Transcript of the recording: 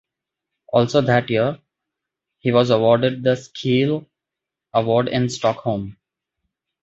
Also that year, he was awarded the Scheele Award in Stockholm.